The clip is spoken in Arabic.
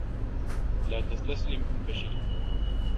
لا تستسلم إن فشلت.